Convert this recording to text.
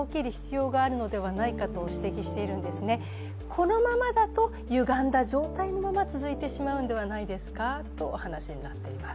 このままだと、ゆがんた状態のまま続いてしまうんではないですかとお話しになっています。